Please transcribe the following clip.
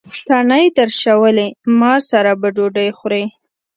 تڼۍ درشلوي: ما سره به ډوډۍ خورې.